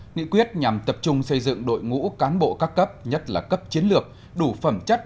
nghị quyết nhằm tập trung xây dựng đội ngũ cán bộ các cấp nhất là cấp chiến lược đủ phẩm chất